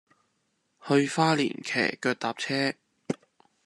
去花蓮騎腳踏車